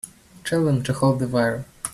Tell them to hold the wire.